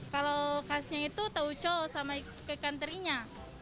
kalau khasnya itu tauco sama ikan terinya